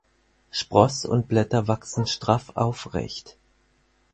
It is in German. Spross und Blätter wachsen straff aufrecht.